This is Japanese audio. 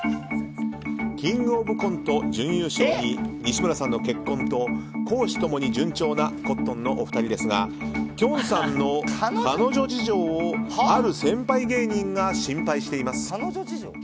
「キングオブコント」準優勝に西村さんの結婚と公私共に順調なコットンのお二人ですがきょんさんの彼女事情をある先輩芸人が心配しています。